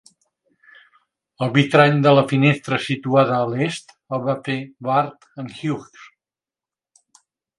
El vitrall de la finestra situada a l'est el va fer Ward and Hughes.